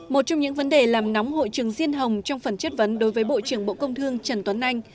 một trong những vấn đề làm nóng hội trường riêng hồng trong phần chất vấn đối với bộ trưởng bộ công thương trần tuấn anh